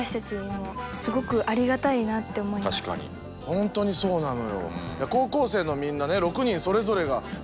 本当にそうなのよ。